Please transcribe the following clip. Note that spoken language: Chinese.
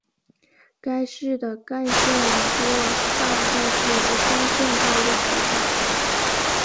该市的干线网络大部分是由双线道路组成。